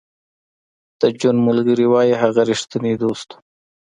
د جون ملګري وایی هغه رښتینی دوست و